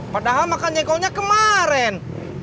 padahal makan jengkolnya kemarin